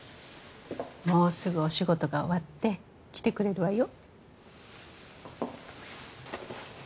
もうすぐお仕事が終わって来てくれるわよ。